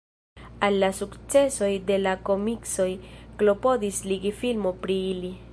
Al la sukcesoj de la komiksoj klopodis ligi filmo pri ili.